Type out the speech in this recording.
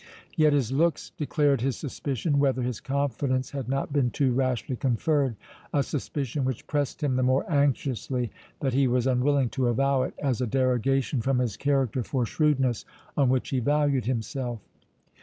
Yet his looks declared his suspicion, whether his confidence had not been too rashly conferred—a suspicion which pressed him the more anxiously, that he was unwilling to avow it, as a derogation from his character for shrewdness, on which he valued himself.